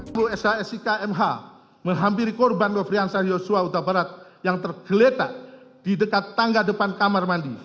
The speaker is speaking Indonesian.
sepuluh shsi kmh menghampiri korban nofriansah yosua utabarat yang tergeletak di dekat tangga depan kamar mandi